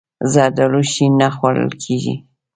زردالو شین نه خوړل کېږي.